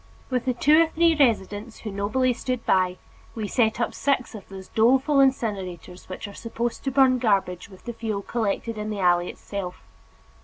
With the two or three residents who nobly stood by, we set up six of those doleful incinerators which are supposed to burn garbage with the fuel collected in the alley itself.